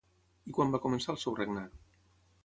I quan va començar el seu regnat?